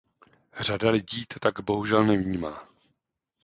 Řada lidí to tak bohužel nevnímá.